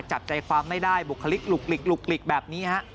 จับใจความไม่ได้บุคลิกหลุกหลีกแบบนี้ฮะ